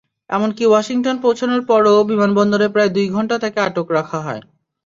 এমনকি ওয়াশিংটন পৌঁছানোর পরও বিমানবন্দরে প্রায় দুই ঘণ্টা তাঁকে আটক রাখা হয়।